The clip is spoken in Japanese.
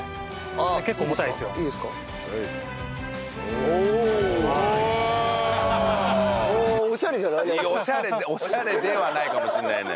おお。いやオシャレオシャレではないかもしれないね。